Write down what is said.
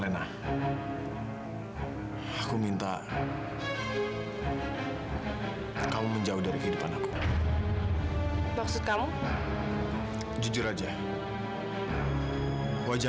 sampai jumpa di video selanjutnya